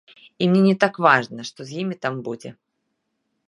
І мне не так важна, што з імі там будзе.